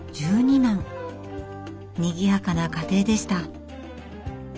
にぎやかな家庭でした。